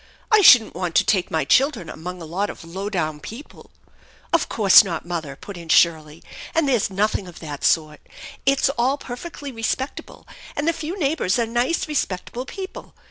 I shouldn't want to take my children among a lot of low down people "" Of course not, mother !" put in Shirley. "And there's nothing of that sort. It's all perfectly respectable, and the few neighbors are nice, respectable people.